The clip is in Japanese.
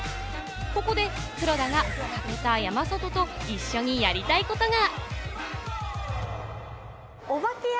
ここで黒田が武田、山里と一緒にやりたいことが。